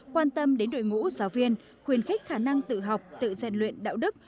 quan tâm đến đội ngũ giáo viên khuyên khách khả năng tự học tự dạy luyện đạo đức